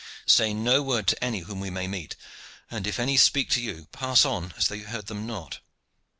Say no word to any whom we may meet, and, if any speak to you, pass on as though you heard them not.